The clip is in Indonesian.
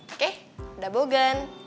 oke dah bogan